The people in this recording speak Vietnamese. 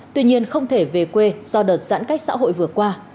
tuy nhiên không thể về quê do đợt giãn cách xã hội vừa qua